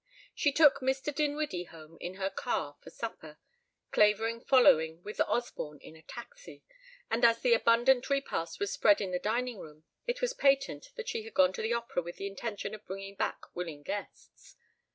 She took Mr. Dinwiddie home in her car for supper, Clavering following with Osborne in a taxi, and as the abundant repast was spread in the dining room it was patent that she had gone to the opera with the intention of bringing back willing guests.